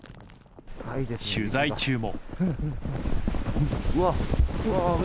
取材中も。